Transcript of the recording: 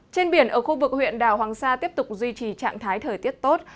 trên biển ở khu vực huyện đảo hoàng sa tiếp tục duy trì trạng thái thời tiết tốt